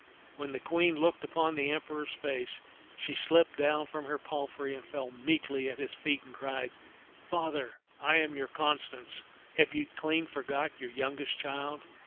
When the Queen looked near upon the Emperor's face, she slipped down from her palfrey and fell meekly at his feet and cried, " Father, I am your Constance. Have you clean forgot your youngest child